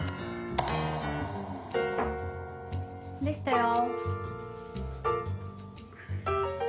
できたよ。